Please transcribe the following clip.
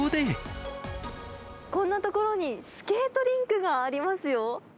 こんな所にスケートリンクがありますよ。